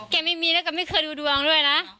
แกไม่มีแล้วแกไม่เคยดูดวงด้วยนะ